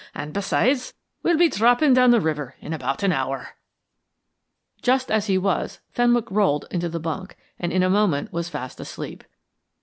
"And, besides, we shall be dropping down the river in about an hour." Just as he was, Fenwick rolled into the bunk, and in a moment was fast asleep.